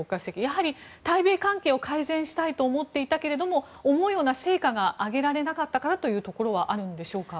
やはり対米関係を改善したいと思っていたけれども思うような成果が上げられなかったからというのはあるんでしょうか。